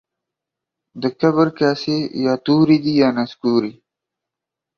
د کبر کاسې يا توري دي يا نسکوري دي.